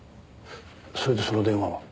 それでその電話は？